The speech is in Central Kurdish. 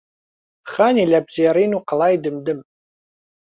خانی لەپزێڕین و قەڵای دمدم